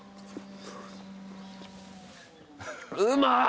うまい！